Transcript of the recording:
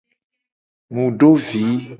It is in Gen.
Mu do vi.